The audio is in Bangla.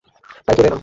তাই চলে এলাম।